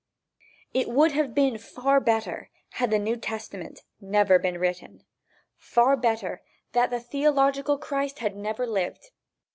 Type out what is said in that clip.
It would have been far better had the New Testament never been written far better had the theological Christ never lived.